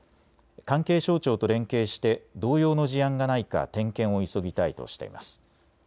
関係省庁と連携して同様の事案がないか点検を急ぎたいとしています。